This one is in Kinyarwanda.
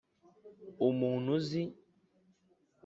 umuntu uzi.